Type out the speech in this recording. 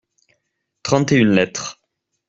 Trente et une lettres.